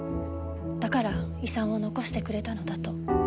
だから遺産を残してくれたのだと。